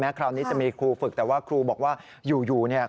คราวนี้จะมีครูฝึกแต่ว่าครูบอกว่าอยู่เนี่ย